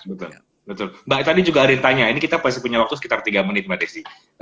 betul mbak tadi juga ada yang tanya ini kita masih punya waktu sekitar tiga menit mbak desi